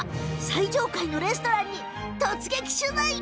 最上階のレストランに突撃取材。